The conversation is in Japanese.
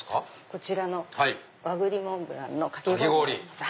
こちらの和栗モンブランのかき氷になります。